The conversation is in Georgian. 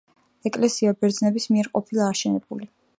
ეკლესია ბერძნების მიერ ყოფილა აშენებული.